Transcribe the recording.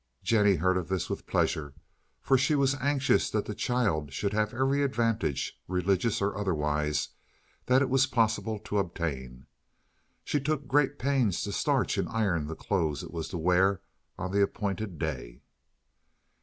Jennie heard of this with pleasure, for she was anxious that the child should have every advantage, religious or otherwise, that it was possible to obtain. She took great pains to starch and iron the clothes it was to wear on the appointed day.